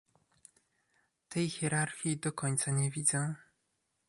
Tej hierarchii do końca nie widzę